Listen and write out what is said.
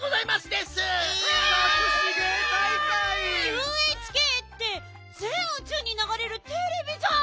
ＵＨＫってぜんうちゅうにながれるテレビじゃん！